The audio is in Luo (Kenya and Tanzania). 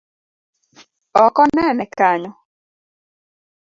Ok onene kanyo?